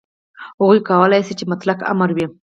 هغوی کولای شول چې مطلق امر وي.